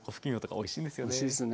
おいしいですよね。